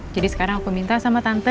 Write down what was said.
jadi sekarang aku minta sama tante